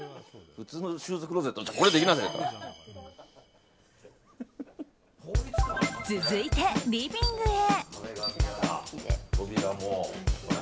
普通のシューズクローゼットじゃ続いてリビングへ。